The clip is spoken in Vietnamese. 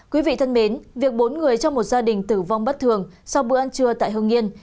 quý vị thân mến việc bốn người trong một gia đình tử vong bất thường sau bữa ăn trưa tại hương yên